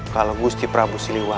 kau mengapa merasa